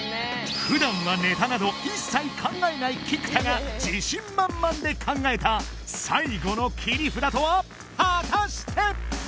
普段はネタなど一切考えない菊田が自信満々で考えた最後の切り札とは果たして？